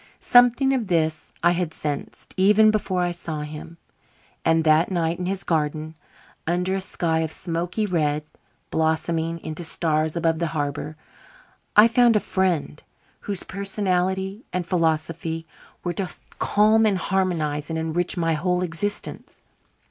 Something of this I had sensed, even before I saw him; and that night in his garden, under a sky of smoky red, blossoming into stars above the harbour, I found a friend whose personality and philosophy were to calm and harmonize and enrich my whole existence.